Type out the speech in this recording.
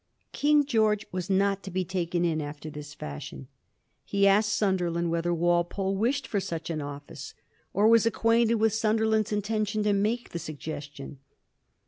King George was not to be taken in after this fashion. He asked Sunderland whether Walpole wished for such an oflSlce, or was acquainted with Sunderland's intention to make the suggestion.